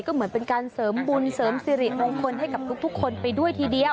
ก็เหมือนเป็นการเสริมบุญเสริมสิริมงคลให้กับทุกคนไปด้วยทีเดียว